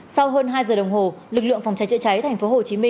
sau hơn hai giờ đồng hồ lực lượng phong chạy chạy cháy tp hcm